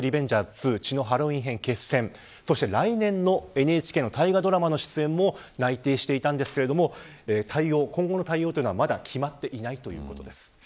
２血のハロウィン編−決戦−そして、来年のＮＨＫ大河ドラマの出演も内定していましたが今後の対応はまだ決まっていないということです。